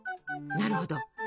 なるほど。